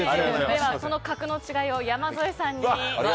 その格の違いを山添さんに。